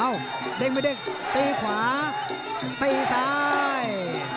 เอาเด้งไหมเด้งตีขวาตีซ้าย